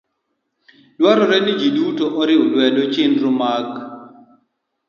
Dwarore ni ji duto oriw lwedo chenro ma g